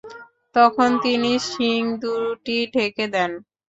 তখন তিনি শিং দুটি ঢেকে দেন।